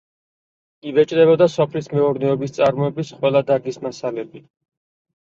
იბეჭდებოდა სოფლის მეურნეობის წარმოების ყველა დარგის მასალები.